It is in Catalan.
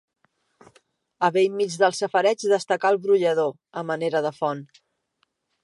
Al bell mig del safareig destaca el brollador, a manera de font.